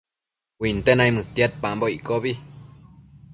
Uinte naimëdtiadpambo iccobi